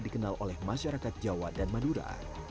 dikenal oleh masyarakat jawa dan madura